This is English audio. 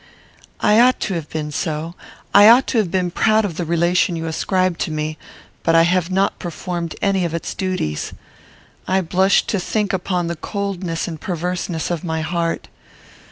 "I ought to have been so. I ought to have been proud of the relation you ascribe to me, but I have not performed any of its duties. I blush to think upon the coldness and perverseness of my heart.